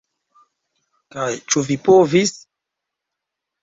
Kaj ĉu vi povis?